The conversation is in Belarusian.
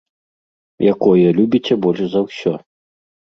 Якое любіце больш за ўсё?